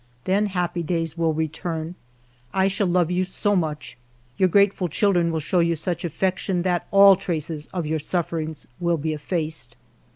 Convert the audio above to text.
Then happy days will return; I shall love you so much ; your grateful children will show you such affection that all traces of your sufferings will be effaced.